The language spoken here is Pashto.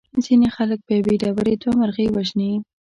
ځینې خلک په یوې ډبرې دوه مرغۍ وژني.